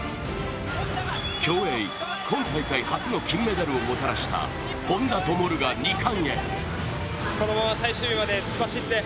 競泳、今大会初の金メダルをもたらした本多灯が２冠へ。